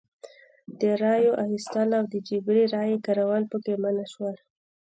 د رایو اخیستل او د جبري رایې کارول پکې منع شول.